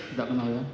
tidak kenal ya